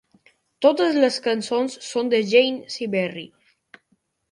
Totes les cançons són de Jane Siberry.